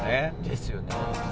ですよね。